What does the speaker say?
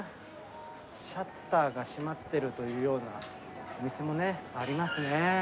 シャッターが閉まってるというようなお店もね、ありますね。